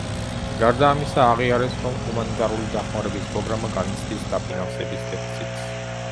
გარდა ამისა, აღიარეს, რომ ჰუმანიტარული დახმარების პროგრამა განიცდის დაფინანსების დეფიციტს.